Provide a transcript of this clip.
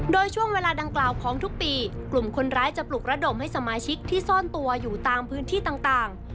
โดยช่วงเวลาดังกล่าวของทุกปีกลุ่มคนร้ายจะปลุกระดมให้สมาชิกที่ซ่อนตัวอยู่ตามพื้นที่ต่าง